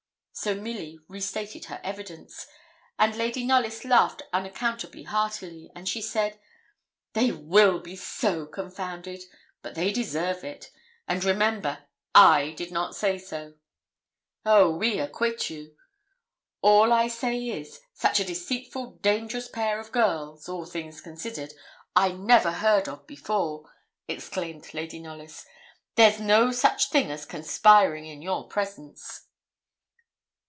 So Milly restated her evidence, and Lady Knollys laughed unaccountably heartily; and she said 'They will be so confounded! but they deserve it; and, remember, I did not say so.' 'Oh! we acquit you.' 'All I say is, such a deceitful, dangerous pair of girls all things considered I never heard of before,' exclaimed Lady Knollys. 'There's no such thing as conspiring in your presence.'